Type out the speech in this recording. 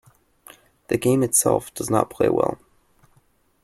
The game itself does not play well.